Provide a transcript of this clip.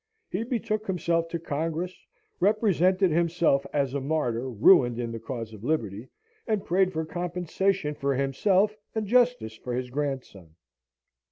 He betook himself to Congress, represented himself as a martyr ruined in the cause of liberty, and prayed for compensation for himself and justice for his grandson.